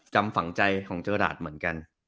จำฝังใจของเจอหลาดเหมือนกัน